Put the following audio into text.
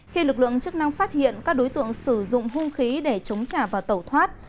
khi lực lượng chức năng phát hiện các đối tượng sử dụng hung khí để chống trả và tẩu thoát